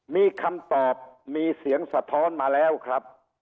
มีคำตอบมีเสียงสะท้อนมาแล้วครับ